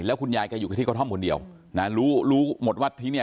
แล้วหุ่นยายก็อยู่ที่กระท่อมคนเดียวรู้หมดว่าที่นี่